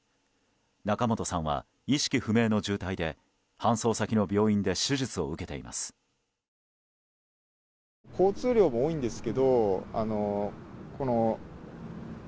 仲本さんは意識不明の重体で搬送先の病院で手術を受けています。